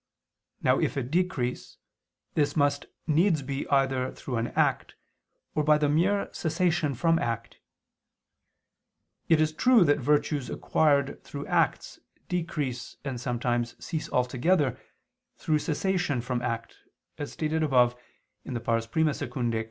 Now, if it decrease, this must needs be either through an act, or by the mere cessation from act. It is true that virtues acquired through acts decrease and sometimes cease altogether through cessation from act, as stated above (I II, Q.